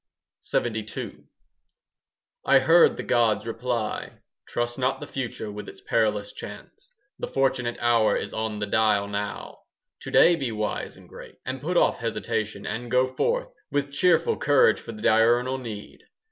LXXII I heard the gods reply: "Trust not the future with its perilous chance; The fortunate hour is on the dial now. "To day be wise and great, And put off hesitation and go forth 5 With cheerful courage for the diurnal need.